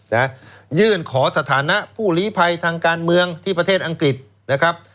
นะยื่นขอสถานะผู้หลีภัยทางการเมืองที่ประเทศอังกฤษนะครับ